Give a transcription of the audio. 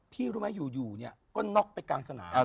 พี่รู้ไหมอยู่ก็น็อกไปกลางสนาม